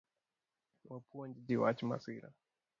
Wapuonj ji wach masira